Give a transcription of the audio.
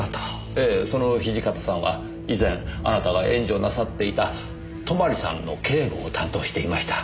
ええその土方さんは以前あなたが援助なさっていた泊さんの警護を担当していました。